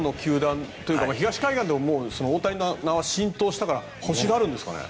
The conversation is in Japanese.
東海岸でも大谷の名は浸透したから欲しがるんですかね。